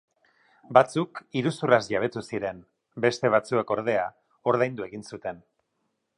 Batzuk iruzurraz jabetu ziren, beste batzuek, ordea, ordaindu egin zuten.